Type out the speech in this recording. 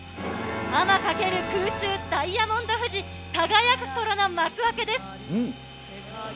天翔ける空中ダイヤモンド富士、輝く頃の幕開けです。